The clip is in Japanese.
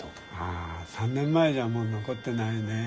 あ３年前じゃもう残ってないね。